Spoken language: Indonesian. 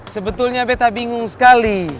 sebetulnya betta bingung sekali